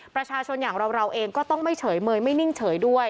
ประชาชนอย่างเราเองก็ต้องไม่เฉยเมยไม่นิ่งเฉยด้วย